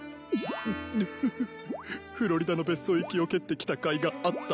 うううフロリダの別荘行きを蹴ってきたかいがあった。